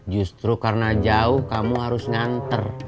justru karena jauh kamu harus nganter